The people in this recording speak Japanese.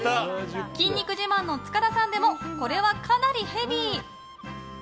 筋肉自慢の塚田さんでもこれはかなりヘビー。